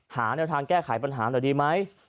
หาแนวทางแก้ไขปัญหาหน่อยดีไหม